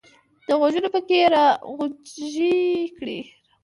د غوږونو پکې یې را غونجې کړې !